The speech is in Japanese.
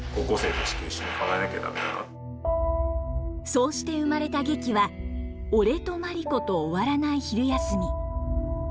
そうして生まれた劇は「俺とマリコと終わらない昼休み」。